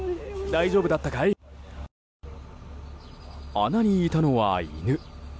穴にいたのは犬。